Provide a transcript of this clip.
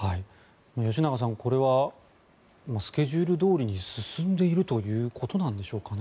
吉永さん、これはスケジュールどおりに進んでいるということなんでしょうかね。